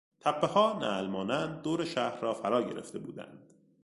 تپهها، نعل مانند دور شهر را فرا گرفته بودند.